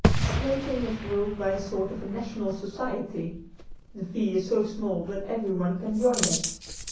Skating is ruled by a sort of a national society. The fee is so small that everyone can join it.